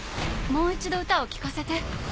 「もう一度歌を聞かせて」